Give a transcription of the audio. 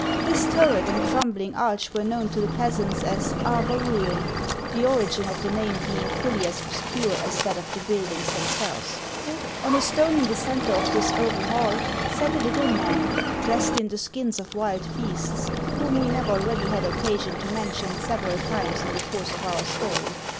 This HANS OF ICELAND. 275 turret and crumbling arch were known to the peasants as Arbar ruin, the origin of the name being fully as obscure as that of the buildings themselvea On a stone in the centre of this oval hall sat a little man dressed in the skins of wild beasts, whom we have already had occasion to mention several times in the course of our story.